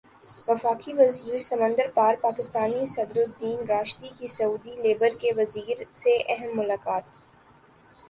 وفاقی وزیر سمندر پار پاکستانی صدر الدین راشدی کی سعودی لیبر کے وزیر سے اہم ملاقات